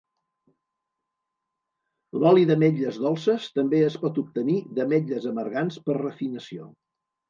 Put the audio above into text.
L’oli d’ametlles dolces també es pot obtenir d’ametlles amargants per refinació.